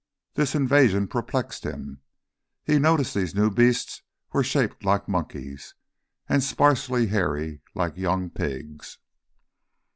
This invasion perplexed him. He noticed these new beasts were shaped like monkeys, and sparsely hairy like young pigs.